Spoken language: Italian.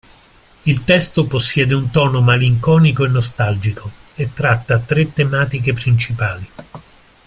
Il testo possiede un tono malinconico e nostalgico, e tratta tre tematiche principali.